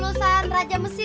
lulusan raja mesir ya